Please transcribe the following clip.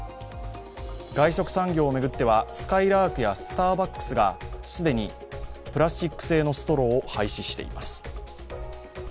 外食産業を巡っては、すかいらーくやスターバックスが既にプラスチック製のストローを廃止しています。